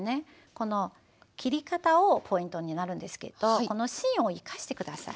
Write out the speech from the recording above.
この切り方をポイントになるんですけどこの芯を生かして下さい。